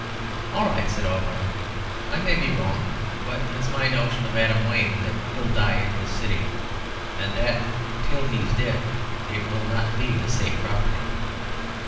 "All right," said Auberon. "I may be wrong, but it's my notion of Adam Wayne that he'll die in his city, and that, till he is dead, it will not be a safe property."